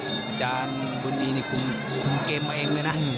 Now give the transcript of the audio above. อาจารย์บุญดีนี่คุมเกมมาเองเลยนะ